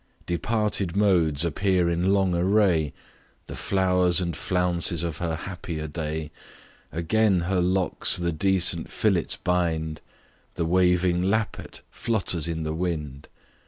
Departed modes appear in long array, The flowers and flounces of her happier day; Again her locks the decent fillets bind, The waving lappet flutters in the wind.